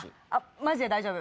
マジで大丈夫。